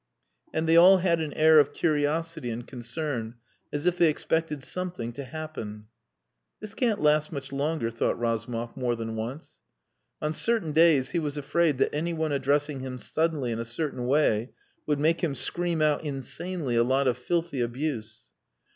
And they all had an air of curiosity and concern as if they expected something to happen. "This can't last much longer," thought Razumov more than once. On certain days he was afraid that anyone addressing him suddenly in a certain way would make him scream out insanely a lot of filthy abuse.